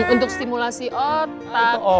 untuk stimulasi otak kiri